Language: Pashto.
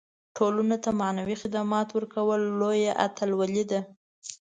ټولنو ته معنوي خدمات ورکول لویه اتلولي ده.